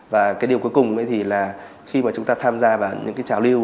và cái điều cuối cùng thì là khi mà chúng ta tham gia vào những cái trào lưu